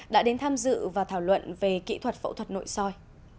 đã đến tham dự và thảo luận về kỹ thuật phẫu thuật nội soi